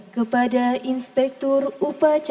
kembali ke tempat